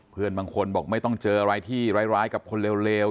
เพื่อนบางคนบอกไม่ต้องเจออะไรที่ร้ายกับคนเลว